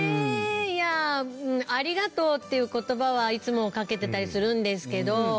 いやあうんありがとうっていう言葉はいつもかけてたりするんですけど。